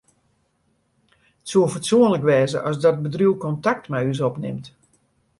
It soe fatsoenlik wêze as dat bedriuw kontakt mei ús opnimt.